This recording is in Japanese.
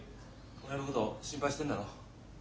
俺のこと心配してんだろ？